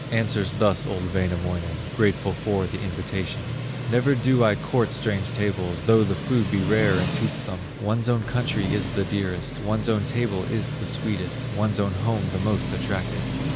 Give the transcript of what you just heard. Answers thus old Wainamoinen, Grateful for the invitation: "Never do I court strange tables, Though the food be rare and toothsome; One's own country is the dearest, One's own table is the sweetest, One's own home, the most attractive.